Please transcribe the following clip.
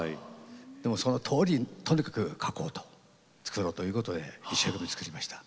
でもそのとおりとにかく書こうと作ろうということで一生懸命作りました。